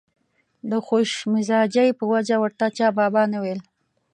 د خوش مزاجۍ په وجه ورته چا بابا نه ویل.